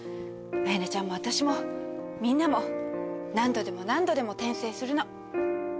綾音ちゃんも私もみんなも何度でも何度でも転生するの。